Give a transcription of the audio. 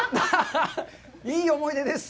いい思い出です。